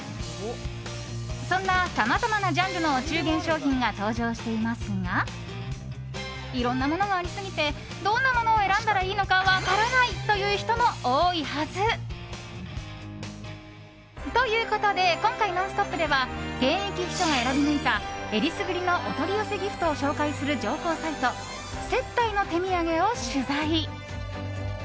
そんなさまざまなジャンルのお中元商品が登場していますがいろんなものがありすぎてどんなものを選んだらいいのか分からないという人も多いはず。ということで今回「ノンストップ！」では現役秘書が選び抜いた選りすぐりのお取り寄せギフトを紹介する情報サイト接待の手土産を取材。